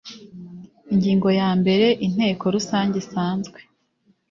Ingingo ya mbere Inteko Rusange isanzwe